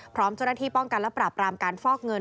พร้อมเจ้าหน้าที่ป้องกันและปราบรามการฟอกเงิน